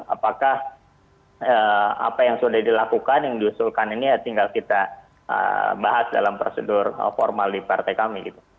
apakah apa yang sudah dilakukan yang diusulkan ini ya tinggal kita bahas dalam prosedur formal di partai kami